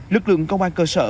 lực lượng công an cơ sở